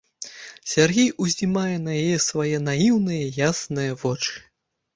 Сяргей узнімае на яго свае наіўныя, ясныя вочы.